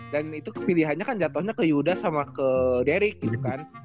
dan itu kepilihannya kan jatohnya ke yudas sama ke derick gitu kan